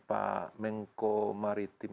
pak mengko maritim